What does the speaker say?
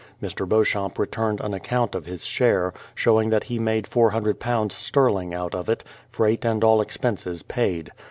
Mr. Beauchamp returned an account of his share, showing that he made £400 sterling out of it, freight and all expenses paid.